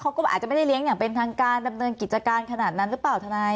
อาจจะไม่ได้เลี้ยงอย่างเป็นทางการดำเนินกิจการขนาดนั้นหรือเปล่าทนาย